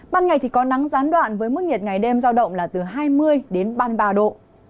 ban ngày thì có nắng gián đoạn với mức nhiệt ngày đêm giao động là từ hai mươi đến ba mươi ba độ